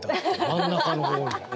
真ん中の方に。